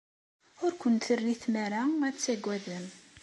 Ur ken-terri ara tmara ad taggadem.